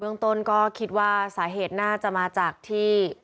เมืองต้นก็คิดว่าสาเหตุน่าจะมาจากที่